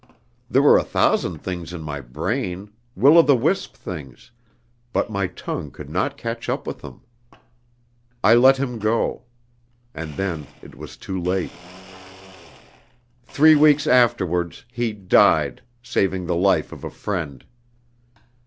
There were a thousand things in my brain, will o' the wisp things, but my tongue could not catch up with them. I let him go. And then it was too late. "Three weeks afterwards, he died, saving the life of a friend.